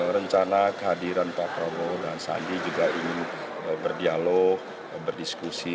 rencana kehadiran pak prabowo dan sandi juga ingin berdialog berdiskusi